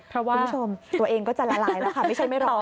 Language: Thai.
คุณผู้ชมตัวเองก็จะละลายแล้วค่ะไม่ใช่ไม่ร้อน